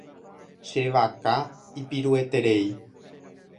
Che vaka ipirueterei.